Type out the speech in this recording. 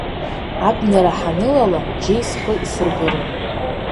Абнара ҳанылала, џьеи схы исырбарын.